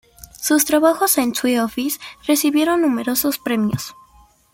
Sus trabajos en The Office recibieron numerosos premios.